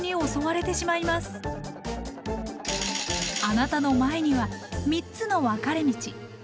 あなたの前には３つのわかれ道。